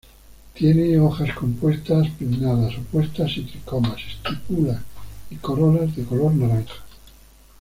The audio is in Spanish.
Tiene hojas compuestas pinnadas, opuestas y tricomas, estípulas y corolas de color naranja.